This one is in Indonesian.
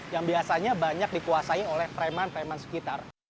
yang biasanya banyak dikuasai oleh freman freman sekitar